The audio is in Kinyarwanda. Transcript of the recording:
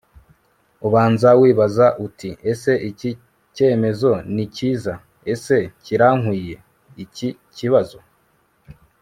ubanza wibaze uti ese iki kemezo ni kiza ? ese kirankwiye? iki kibazo